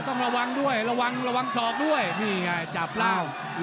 ต้องระวังด้วยระวังระวังศอกด้วยนี่ไงจับแล้ว